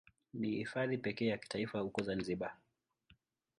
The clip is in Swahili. Ni Hifadhi pekee ya kitaifa huko Zanzibar.